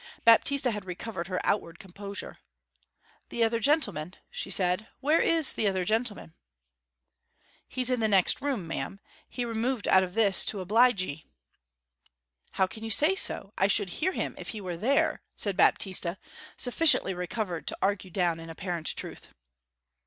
Baptista had recovered her outward composure. 'The other gentleman?' she said. 'Where is the other gentleman?' 'He's in the next room, ma'am. He removed out of this to oblige 'ee.' 'How can you say so? I should hear him if he were there,' said Baptista, sufficiently recovered to argue down an apparent untruth.